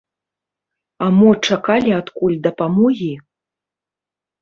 А мо чакалі адкуль дапамогі?